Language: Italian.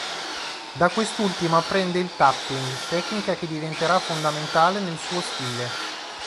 Da quest'ultimo apprende il tapping, tecnica che diventerà fondamentale nel suo stile.